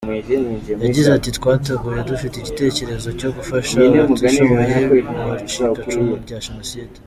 Yagize ati :”Twatangiye dufite igitekerezo cyo gufasha abatishoboye b’abacikacumu rya Jenoside.